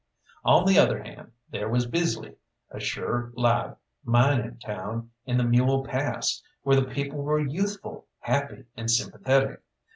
On the other hand, there was Bisley, a sure live mining town in the Mule Pass, where the people were youthful, happy, and sympathetic.